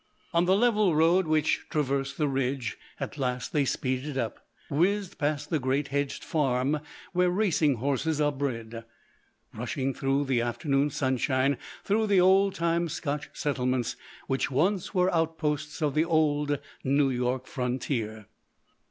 On the level road which traversed the ridge at last they speeded up, whizzed past the great hedged farm where racing horses are bred, rushing through the afternoon sunshine through the old time Scotch settlements which once were outposts of the old New York frontier.